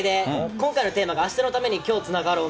今回のテーマが明日のために、今日つながろう。